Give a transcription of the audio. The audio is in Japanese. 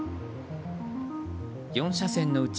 ４車線のうち